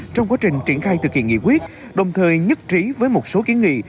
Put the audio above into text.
trong quá trình triển khai thực hiện nghị quyết đồng thời nhất trí với một số kiến nghị